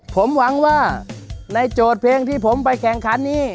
ผมหวังว่าในโจทย์เพลงที่ผมไปแข่งขันนี้